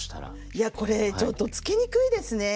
いやこれちょっとつけにくいですね。